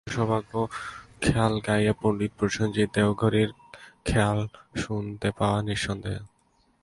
শ্রোতাদের সৌভাগ্য খেয়াল গাইয়ে পণ্ডিত প্রসেনজিৎ দেওঘরীয়ার খেয়াল শুনতে পাওয়া নিঃসন্দেহে।